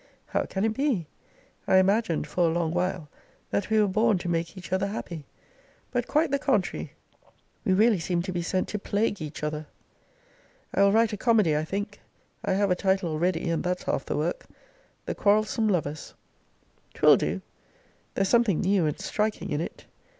How can it be? I imagined, for a long while, that we were born to make each other happy: but quite the contrary; we really seem to be sent to plague each other. I will write a comedy, I think: I have a title already; and that's half the work. The Quarrelsome Lovers. 'Twill do. There's something new and striking in it.